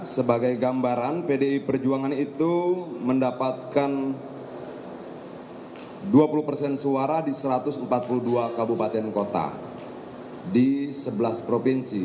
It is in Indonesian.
sebagai gambaran pdi perjuangan itu mendapatkan dua puluh persen suara di satu ratus empat puluh dua kabupaten kota di sebelas provinsi